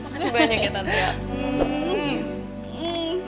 makasih banyak ya tante